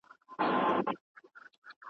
ډوډۍ که پردۍ وه ګیډه خو دي خپله وه .